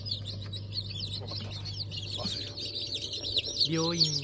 分かった忘れよう。